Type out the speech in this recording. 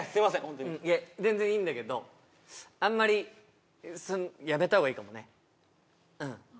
本当にいえ全然いいんだけどあんまりやめたほうがいいかもねうん